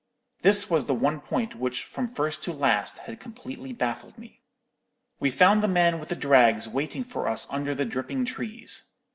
"This was the one point which, from first to last, had completely baffled me. "We found the man with the drags waiting for us under the dripping trees.